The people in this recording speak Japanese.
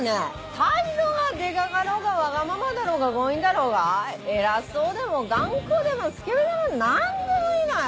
態度がデカかろうがわがままだろうが強引だろうが偉そうでも頑固でもスケベでも何でもいいのよ！